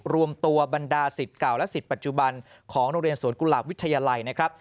รวมตัวบรรดาศิษย์เก่าและสิทธิปัจจุบันของโรงเรียนสวนกุหลาบวิทยาลัยนะครับ